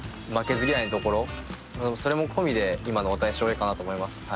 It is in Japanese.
負けず嫌いなところそれも込みで今の大谷翔平かなと思います。